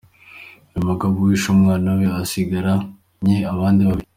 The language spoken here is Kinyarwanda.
Uyu mugabo wishe umwana we asigaranye abandi babiri.